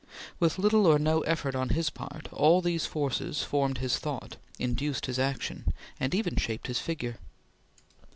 With little or no effort on his part, all these forces formed his thought, induced his action, and even shaped his figure.